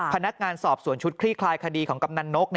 พนักงานสอบสวนชุดคลี่คลายคดีของกำนันนก